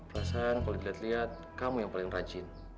perasaan kalau dilihat lihat kamu yang paling rajin